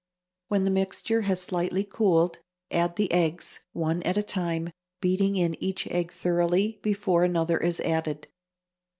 When the mixture has slightly cooled, add the eggs, one at a time, beating in each egg thoroughly before another is added.